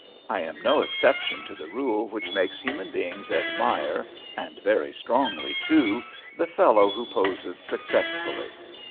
I am no exception to the rule which makes human beings admire, and very strongly, too, the fellow who poses successfully.